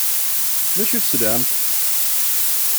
D acu i telsamt?